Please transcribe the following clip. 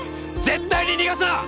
絶対に逃がすな！